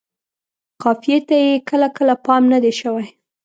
قافیې ته یې کله کله پام نه دی شوی.